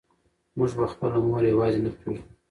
موږ به خپله مور یوازې نه پرېږدو.